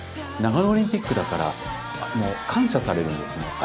長野オリンピックだからもう感謝されるんですね。